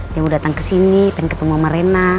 dia mau datang ke sini pengen ketemu sama rena